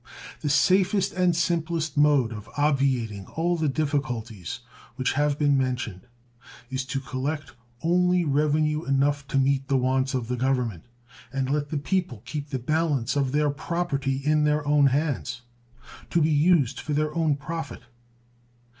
The safest and simplest mode of obviating all the difficulties which have been mentioned is to collect only revenue enough to meet the wants of the Government, and let the people keep the balance of their property in their own hands, to be used for their own profit.